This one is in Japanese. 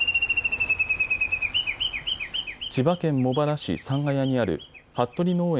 千葉県茂原市三ケ谷にある服部農園